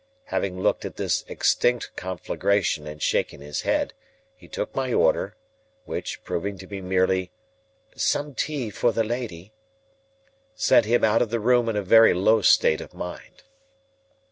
Having looked at this extinct conflagration and shaken his head, he took my order; which, proving to be merely, "Some tea for the lady," sent him out of the room in a very low state of mind.